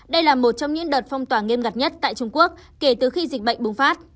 đây là một trong những đợt phong tỏa nghiêm ngặt nhất tại trung quốc kể từ khi dịch bệnh bùng phát